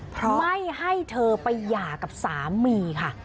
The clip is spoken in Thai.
เพราะไม่ให้เธอไปหย่ากับสามีค่ะ